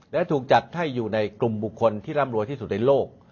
และถูกจัดให้อยู่ในกลุ่มบุคคลที่ร่ำรวยที่สุดในโลก